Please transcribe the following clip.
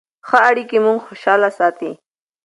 ښه اړیکې موږ خوشحاله ساتي.